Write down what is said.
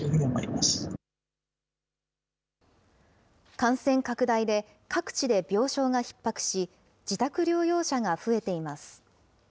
感染拡大で各地で病床がひっ迫し、自宅療養者が増えています。